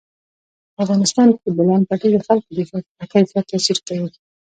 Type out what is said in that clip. په افغانستان کې د بولان پټي د خلکو د ژوند په کیفیت تاثیر کوي.